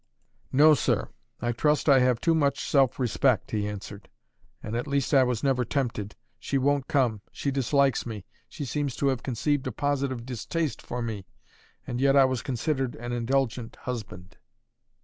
"No, sir. I trust I have too much self respect," he answered, "and, at least, I was never tempted. She won't come, she dislikes, she seems to have conceived a positive distaste for me, and yet I was considered an indulgent husband."